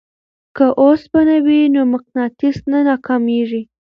که اوسپنه وي نو مقناطیس نه ناکامیږي.